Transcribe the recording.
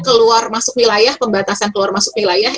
keluar masuk wilayah pembatasan keluar masuk wilayah